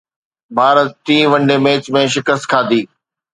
ڀارت ٽئين one day match ۾ شڪست کاڌي